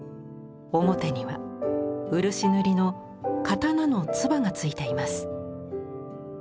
表には漆塗りの刀の鐔が付いています。